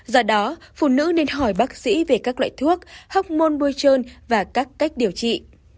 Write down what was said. do đó phụ nữ nên hỏi bác sĩ về các loại thuốc hóc môn bôi trơn và các cách điều trị